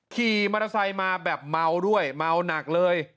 ขี่มอเตอร์ไซค์มาแบบเมาด้วยเมาหนักเลย